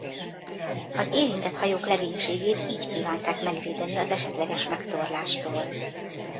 Az érintett hajók legénységét így kívánták megvédeni az esetleges megtorlástól.